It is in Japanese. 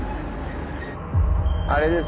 あれです。